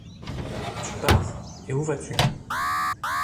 Tu pars, et où vas-tu?